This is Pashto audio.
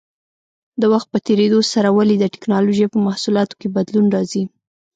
د وخت په تېرېدو سره ولې د ټېکنالوجۍ په محصولاتو کې بدلون راځي؟